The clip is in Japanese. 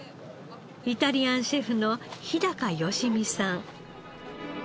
イタリアンシェフの日良実さん。